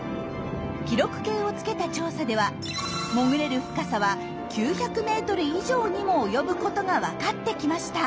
記録計をつけた調査では潜れる深さは９００ｍ以上にも及ぶことがわかってきました。